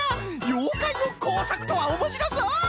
ようかいのこうさくとはおもしろそう！